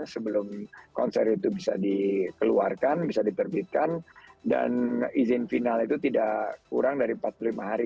sebelum konser itu bisa dikeluarkan bisa diterbitkan dan izin final itu tidak kurang dari empat puluh lima hari